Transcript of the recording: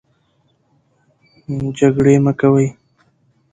جنګرې مۀ کوئ